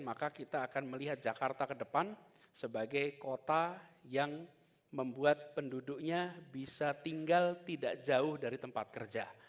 maka kita akan melihat jakarta ke depan sebagai kota yang membuat penduduknya bisa tinggal tidak jauh dari tempat kerja